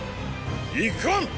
いかん！